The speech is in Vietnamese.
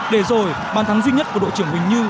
để rồi bàn thắng duy nhất của đội trưởng huỳnh như